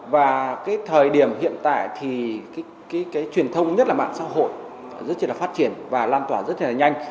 và cái thời điểm hiện tại thì cái truyền thông nhất là mạng xã hội rất là phát triển và lan tỏa rất là nhanh